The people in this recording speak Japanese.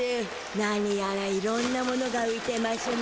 なにやらいろんなものがういてましゅな